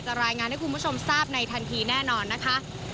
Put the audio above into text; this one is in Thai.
รายงานให้คุณผู้ชมทราบในทันทีแน่นอนนะคะ